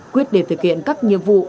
quyết định thực hiện các nhiệm vụ